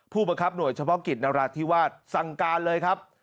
ผู้บังคับหน่วยเฉพาะกิจนราธิวาสสั่งการเลยครับ